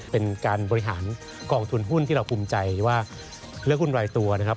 เป็นการบริหารกองทุนหุ้นที่เราภูมิใจว่าเลือกหุ้นรายตัวนะครับ